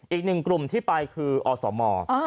อีกหนึ่งกลุ่มที่ไปคืออสม